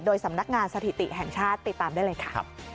สำนักงานสถิติแห่งชาติติดตามได้เลยค่ะ